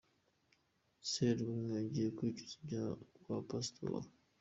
Surwumwe yagiye kwicuza ibyaha kwa Pasitoro